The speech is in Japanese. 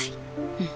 うん。